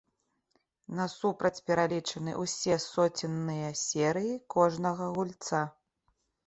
Насупраць пералічаны ўсе соценныя серыі кожнага гульца.